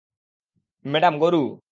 Madam, গরু!